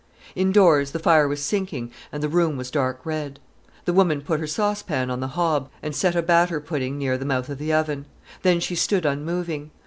Indoors the fire was sinking and the room was dark red. The woman put her saucepan on the hob, and set a batter pudding near the mouth of the oven. Then she stood unmoving.